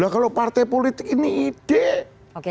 kalau partai politik ini ide